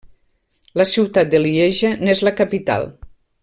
La ciutat de Lieja n'és la capital.